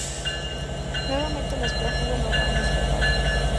Nuevamente los prófugos lograron escapar.